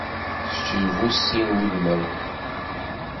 Kečč d bu sin wudmanwen.